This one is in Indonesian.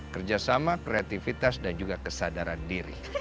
kerjasama kreativitas dan juga kesadaran diri